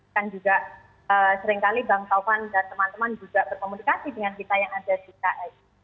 kan juga seringkali bang taufan dan teman teman juga berkomunikasi dengan kita yang ada di ks